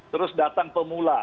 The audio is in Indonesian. terus datang pemula